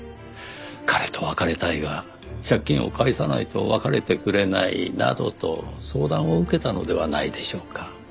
彼と別れたいが借金を返さないと別れてくれないなどと相談を受けたのではないでしょうか。